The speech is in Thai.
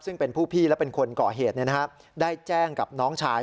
ซึ่งเป็นผู้พี่และเป็นคนก่อเหตุได้แจ้งกับน้องชาย